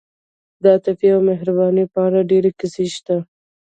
د عاطفې او مهربانۍ په اړه ډېرې کیسې شته.